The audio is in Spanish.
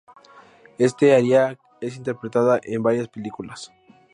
Este aria es interpretada en varias películas.